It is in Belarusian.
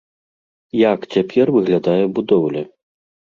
Як цяпер выглядае будоўля?